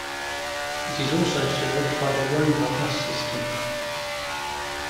It is also served by the Rover bus system.